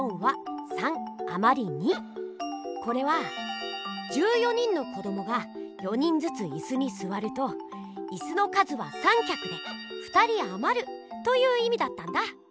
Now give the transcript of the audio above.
これは１４人の子どもが４人ずついすにすわるといすの数は３きゃくで２人あまるといういみだったんだ！